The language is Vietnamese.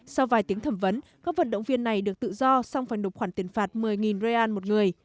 sau vài tiếng thẩm vấn các vận động viên này được tự do xong và nộp khoản tiền phạt một mươi rai an một người